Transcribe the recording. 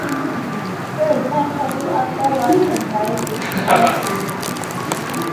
He returned shortly afterwards and died a few hours later.